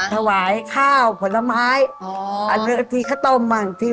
ถวายข้าวผลไม้